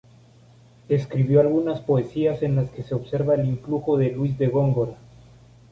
Escribió algunas poesías en las que se observa el influjo de Luis de Góngora.